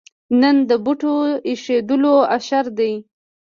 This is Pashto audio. نن د بوټو اېښودلو اشر دی.